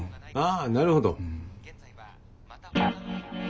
あなるほど。